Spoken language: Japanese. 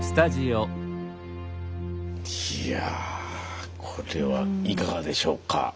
いやこれはいかがでしょうか？